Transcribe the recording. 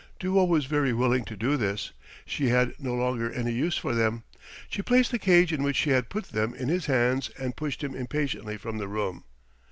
Duo was very willing to do this; she had no longer any use for them. She placed the cage in which she had put them in his hands and pushed him impatiently from the room.